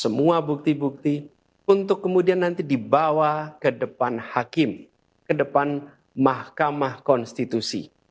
semua bukti bukti untuk kemudian nanti dibawa ke depan hakim ke depan mahkamah konstitusi